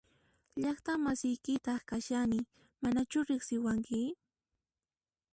Llaqta masiykitaq kashani ¿Manachu riqsipuwanki?